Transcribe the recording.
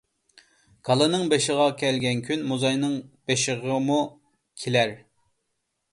كالىنىڭ بېشىغا كەلگەن كۈن مۇزاينىڭ بېشىغىمۇ كېلەر.